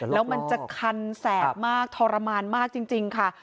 แล้วมันจะคันแสบมากทรมานมากจริงค่ะ